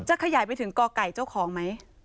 ขยายไปถึงกไก่เจ้าของไหม